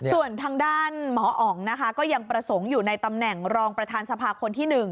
ส่วนทางด้านหมออ๋องนะคะก็ยังประสงค์อยู่ในตำแหน่งรองประธานสภาคนที่๑